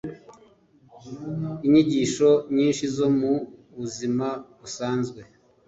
inyigisho nyinshi zo mu buzima busanzwe